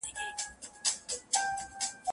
په جونګړو به شور ګډ د پښتونخوا سي